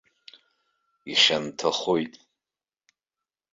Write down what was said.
Ихьанҭахоит.